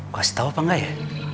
kasih tau apa gak ya